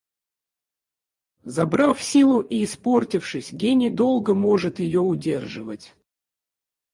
Забрав силу и испортившись, гений долго может ее удерживать.